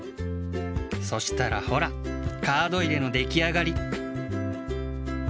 そしたらほらカード入れのできあがり。